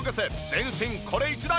全身これ１台！